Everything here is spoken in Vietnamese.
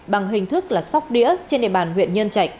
bằng hình thức là sóc đĩa trên địa bàn huyện nhân trạch